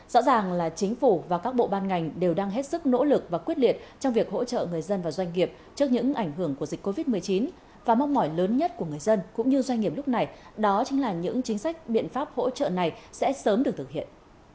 rõ ràng là chính phủ và các bộ ban ngành đều đang hết sức nỗ lực và quyết liệt trong việc hỗ trợ người dân và doanh nghiệp trước những ảnh hưởng của dịch covid một mươi chín và mong mỏi lớn nhất của người dân cũng như doanh nghiệp lúc này đó chính là những chính sách biện pháp hỗ trợ này sẽ sớm được thực hiện